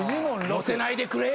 載せないでくれ。